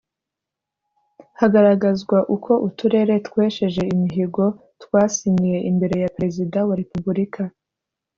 hagaragazwa uko uturere twesheje imihigo twasinyiye imbere ya Perezida wa Repubulika